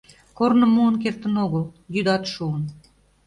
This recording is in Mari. Корным муын кертын огыл, йӱдат шуын.